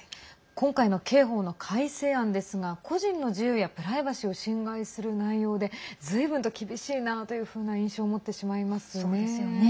今回の刑法の改正案ですが個人の自由やプライバシーを侵害する内容でずいぶんと厳しいなというふうな印象を持ってしまいますよね。